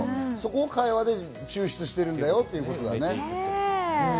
そこを会話で抽出してるんだよってことですね。